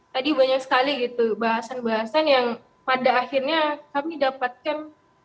tadi banyak sekali gitu bahasan bahasan yang pada akhirnya kami dapatkan